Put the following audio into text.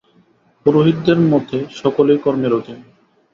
পুরোহিতদের মতে সকলেই কর্মের অধীন।